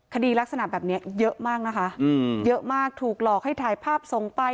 คดีลักษณะแบบนี้เยอะมากนะคะเยอะมากถูกหลอกให้ถ่ายภาพส่งไป